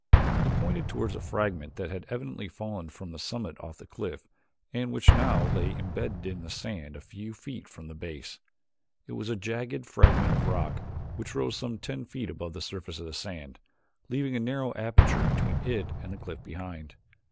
He pointed toward a fragment that had evidently fallen from the summit of the cliff and which now lay imbedded in the sand a few feet from the base. It was a jagged fragment of rock which rose some ten feet above the surface of the sand, leaving a narrow aperture between it and the cliff behind.